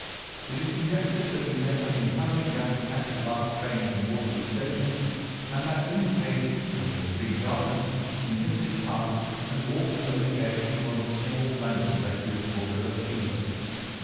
It is conjectured that he may have been hurrying down to catch the last train from Waterloo Station, and that in his haste and the extreme darkness he missed his path and walked over the edge of one of the small landing places for river steamboats.